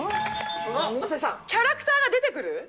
キャラクターが出てくる。